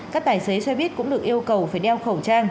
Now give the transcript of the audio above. các tài xế xe buýt cũng được yêu cầu phải đeo khẩu trang